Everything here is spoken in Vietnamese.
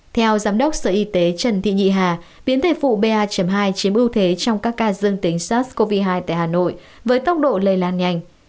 theo giám đốc sở y tế trần thị nhị hà biến thể phụ ba hai chiếm ưu thế trong các ca dương tính sars cov hai tại hà nội với tốc độ lây lan nhanh